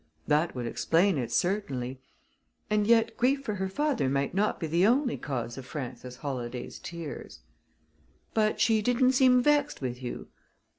That would explain it, certainly; and yet grief for her father might not be the only cause of Frances Holladay's tears. "But she didn't seem vexed with you?"